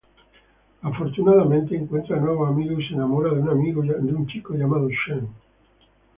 Afortunadamente, encuentra nuevos amigos y se enamora de un chico llamado Sean.